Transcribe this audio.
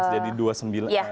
jadi dua puluh sembilan ya